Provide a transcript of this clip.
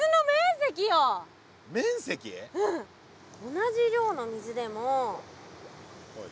同じ量の水でも。